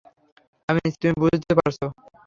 আমি নিশ্চিত তুমি বুঝতে পারছো।